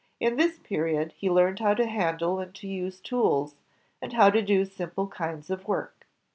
In this period, he learned how to handle and to use tools, and how to do simple kinds of work.